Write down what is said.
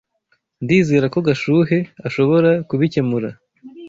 Ndizera ko Gashuhe ashobora kubikemura.